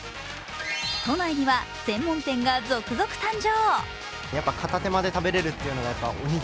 都内には専門店が続々誕生。